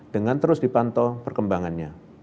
dengan terus dipantau perkembangannya